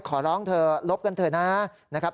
ขอร้องเธอลบกันเถอะนะครับ